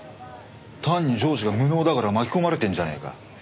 単に上司が無能だから巻き込まれてんじゃねえか。